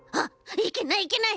いけないいけない！